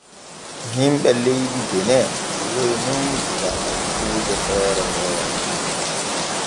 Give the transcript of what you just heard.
Himɓe leydi Bene ƴiwoy nun diga nokkuuje feere feere.